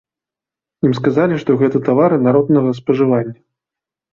Ім сказалі, што гэта тавары народнага спажывання.